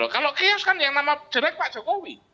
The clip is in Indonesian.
kalau chaos kan yang nama jerak pak jokowi